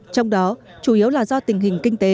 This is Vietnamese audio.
trong đó chủ yếu là do tình hình kinh tế